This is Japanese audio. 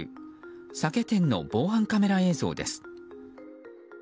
酒店の防犯カメラ映像です。